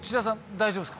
大丈夫です。